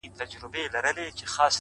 بيا خپه يم مرور دي اموخته کړم.